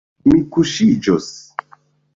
Mi kuŝiĝos.